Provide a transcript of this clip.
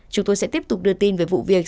chúng tôi sẽ tiếp tục đưa tin về vụ việc